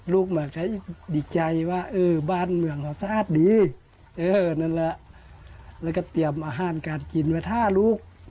แล้วก็เตรียมอาหารการกินไว้ท่าลูก